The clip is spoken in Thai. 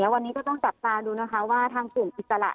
วันนี้ก็ต้องจับตาดูนะคะว่าทางกลุ่มอิสระ